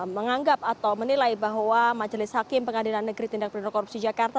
menganggap atau menilai bahwa majelis hakim pengadilan negeri tindak pidana korupsi jakarta